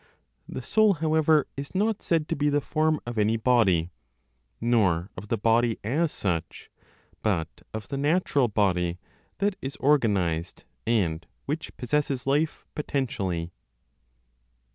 The soul, however, is not said to be the form of any body, nor of the body as such; but of the natural body, that is organized, and which possesses life potentially.